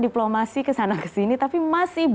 diplomasi kesana kesini tapi masih